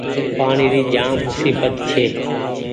پآڻيٚ ري جآم مسيبت ڇي۔